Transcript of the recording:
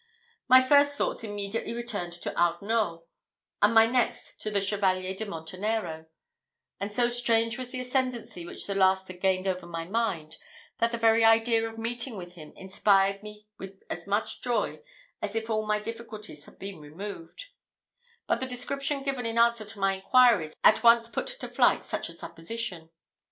My first thoughts immediately turned to Arnault, and my next to the Chevalier de Montenero; and so strange was the ascendency which the last had gained over my mind, that the very idea of meeting with him inspired me with as much joy as if all my difficulties had been removed; but the description given in answer to my inquiries at once put to flight such a supposition.